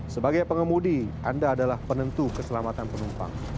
sebagai pengemudi anda adalah penentu keselamatan penumpang